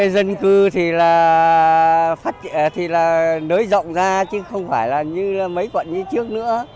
dân cư thì là nới rộng ra chứ không phải là như mấy quận như trước